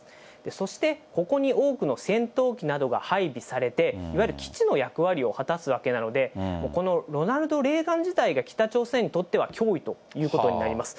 そしてここに多くの戦闘機などが配備されて、いわゆる基地の役割を果たすわけなので、このロナルド・レーガン自体が北朝鮮にとっては脅威ということになります。